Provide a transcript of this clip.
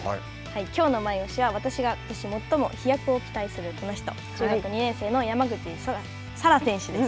きょうのマイオシは私がことし最も飛躍を期待する中学２年生の山口幸空選手です。